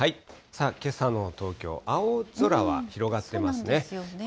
けさの東京、青空は広がってますね。